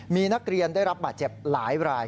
มีนักเรียนได้รับบาดเจ็บหลายราย